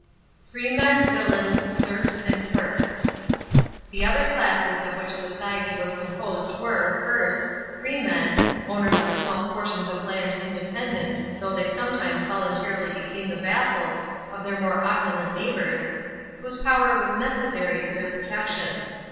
FREEMEN, VILLAINS, SERFS, AND CLERKS The other classes of which society was composed were, first, FREEMEN, owners of small portions of land independent, though they sometimes voluntarily became the vassals of their more opulent neighbors, whose power was necessary for their protection.